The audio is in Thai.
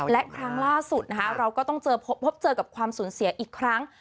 และครั้งล่าสุดนะคะเราก็ต้องพบเจอกับความสูญเสียอีกครั้ง